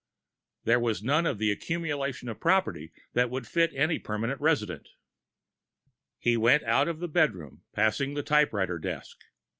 There was none of the accumulation of property that would fit any permanent residence. He went out of the bedroom, passing the typewriter desk.